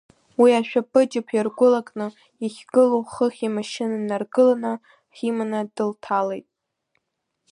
Уи ашәаԥыџьаԥ иргәылакны иахьгылоу хыхь имашьына наргыланы, ҳиманы дылҭалеит.